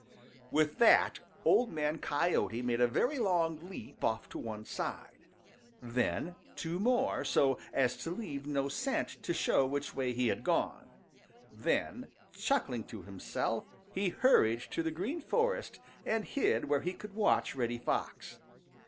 With that, Old Man Coyote made a very long leap off to one side, then two more, so as to leave no scent to show which way he had gone. Then, chuckling to himself, he hurried to the Green Forest and hid where he could watch Reddy Fox.